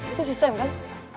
itu si sam kan